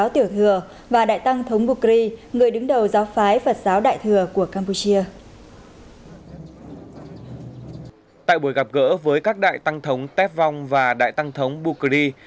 tại buổi gặp gỡ với các đại tăng thống tép vong và đại tăng thống bukri